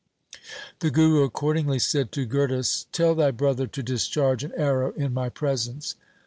The Guru accordingly said to Gurdas, ' Tell thy brother to discharge an arrow in my presence.